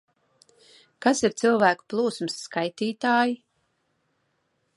Kas ir cilvēku plūsmas skaitītāji?